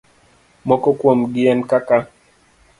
Moko kuomgi en kaka: